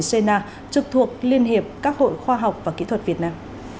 cenna trực thuộc liên hiệp các hội khoa học và kỹ thuật việt nam